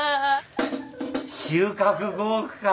収穫５億か